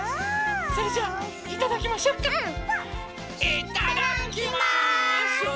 いただきます！